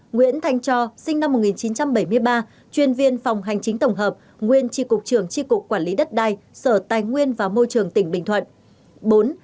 bốn nguyễn thanh cho sinh năm một nghìn chín trăm bảy mươi ba chuyên viên phòng hành chính tổng hợp nguyên tri cục trường tri cục quản lý đất đai sở tài nguyên và môi trường tỉnh bình thuận